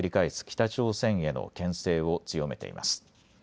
北朝鮮へのけん制を強めています。